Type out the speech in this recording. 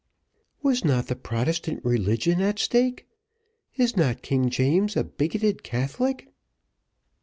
"Was not the Protestant religion at stake? Is not King James a bigoted Catholic?"